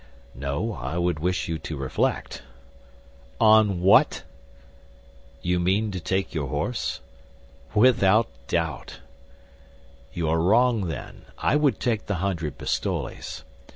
"No, I would wish you to reflect." "On what?" "You mean to take your horse?" "Without doubt." "You are wrong, then. I would take the hundred pistoles.